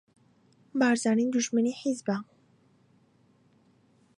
بارزانی دوژمنی حیزبە